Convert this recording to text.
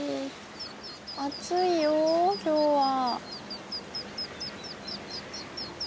暑いよ今日は。